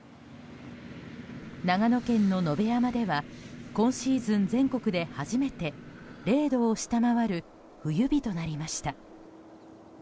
長野県の野辺山では今シーズン、全国で初めて０度を下回る冬日となりました。